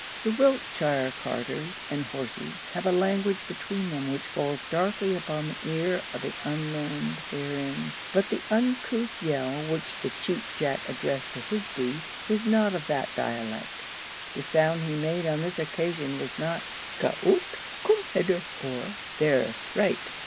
The Wiltshire carters and horses have a language between them which falls darkly upon the ear of the unlearned therein; but the uncouth yell which the Cheap Jack addressed to his beast was not of that dialect. The sound he made on this occasion was not, Ga oot! Coom hedder! or, There right!